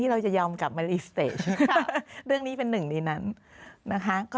เราจะยอมกลับมารีสเตจเรื่องนี้เป็นหนึ่งในนั้นนะคะ